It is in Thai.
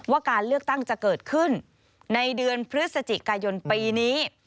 ว่าการเลือกตั้งจะเกิดขึ้นในเดือนพฤศจิกายนปีนี้